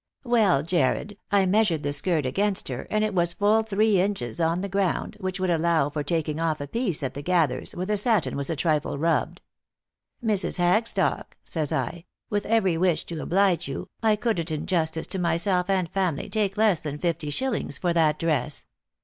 " Well, Jarred, I measured the skirt against her, and it was full three inches on the ground, which would allow for taking off a piece at the gathers, where the satin was a trifle rubbed. ' Mrs. Hagstock,' says I, ' with every wish to oblige you, I couldn't in justice to myself and family take less than fifty shillings for that dress.